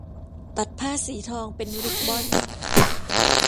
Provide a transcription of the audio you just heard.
ตัดผ้าสีทองเป็นริบบอน